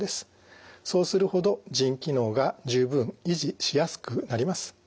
そうするほど腎機能が十分維持しやすくなります。